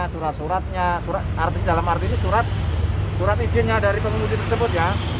surat suratnya dalam arti itu surat izinnya dari pengemudi tersebut ya